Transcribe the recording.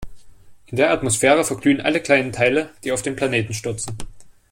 In der Atmosphäre verglühen alle kleinen Teile, die auf den Planeten stürzen.